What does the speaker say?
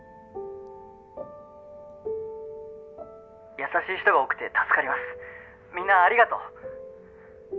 「優しい人が多くて助かりますみんなありがとう」